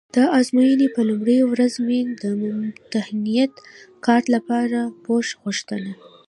د ازموینې په لومړۍ ورځ مې د ممتحنیت کارت لپاره پوښ غوښته.